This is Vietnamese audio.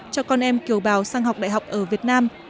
cho con em kiều bào sang học đại học ở việt nam